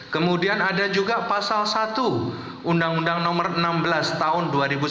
kemudian ada juga pasal satu undang undang nomor enam belas tahun dua ribu sembilan belas